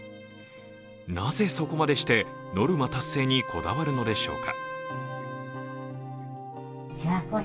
なぜそこまでしてノルマ達成にこだわるのでしょうか。